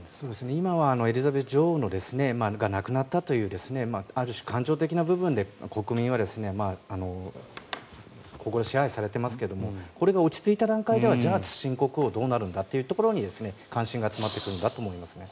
今はエリザベス女王が亡くなったというある種、感情的な部分で国民は心を支配されていますがこれが落ち着いた段階ではじゃあ新国王どうなるんだというところに関心が集まってくるんだと思いますね。